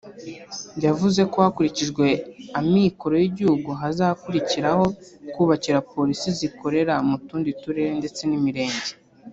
yavuze ko hakurikijwe amikoro y’igihugu hazakurikiraho kubakira Polisi zikorera mu tundi turere ndetse n’imirenge